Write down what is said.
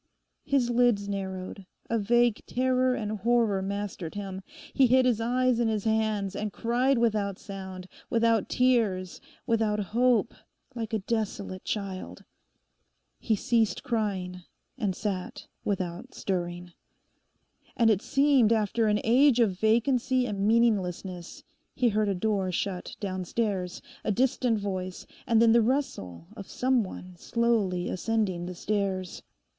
His lids narrowed; a vague terror and horror mastered him. He hid his eyes in his hands and cried without sound, without tears, without hope, like a desolate child. He ceased crying; and sat without stirring. And it seemed after an age of vacancy and meaninglessness he heard a door shut downstairs, a distant voice, and then the rustle of some one slowly ascending the stairs.